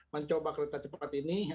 mencoba kereta cepat ini